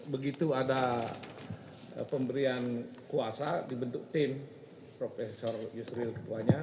begitu ada pemberian kuasa dibentuk tim prof yusril ketuanya